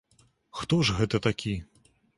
Хто ж гэта такі?